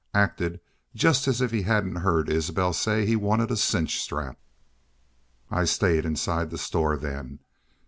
Acted jest as if he hedn't heerd Isbel say he wanted a cinch strap. "I stayed inside the store then.